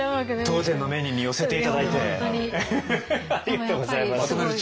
当店のメニューに寄せて頂いてありがとうございます。